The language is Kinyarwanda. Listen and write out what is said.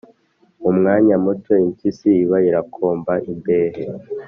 Mu mwanya muto impyisi iba irakomba imbehe